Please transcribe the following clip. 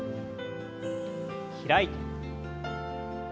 開いて。